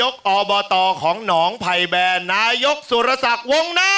ขอบคุณครับ